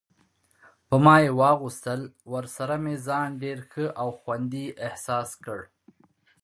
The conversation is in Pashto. په ما یې واغوستل، ورسره مې ځان ډېر ښه او خوندي احساس کړ.